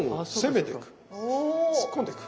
突っ込んでく。